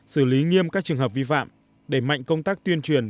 xử lý nghiêm các trường hợp vi phạm đẩy mạnh công tác tuyên truyền